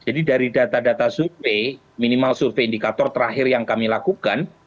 jadi dari data data survei minimal survei indikator terakhir yang kami lakukan